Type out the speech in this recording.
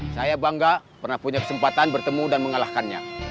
saya bangga pernah punya kesempatan bertemu dan mengalahkannya